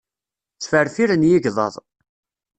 Ttferfiren yigḍaḍ.